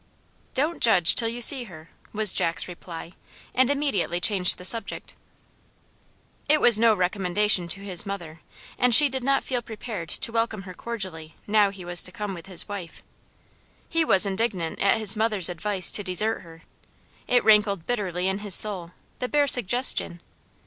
"Don't judge, till you see her," was Jack's reply, and immediately changed the subject. It was no recommendation to his mother, and she did not feel prepared to welcome her cordially now he was to come with his wife. He was indignant at his mother's advice to desert her. It rankled bitterly in his soul, the bare suggestion.